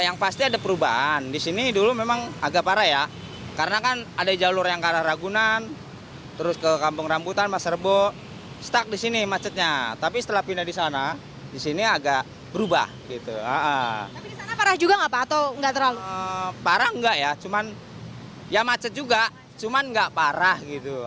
nah nggak parah